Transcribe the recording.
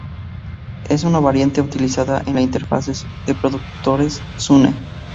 Es una variante utilizada en la interfaz de reproductores Zune.